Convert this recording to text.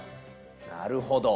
なるほど。